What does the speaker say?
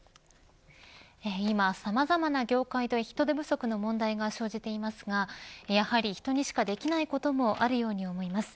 今、さまざまな業界で人手不足の問題が生じていますがやはり人にしかできないこともあるように思います。